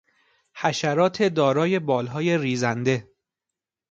حشرات دارای بالهای ریزنده